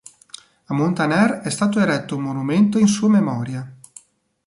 A Montaner è stato eretto un monumento in sua memoria.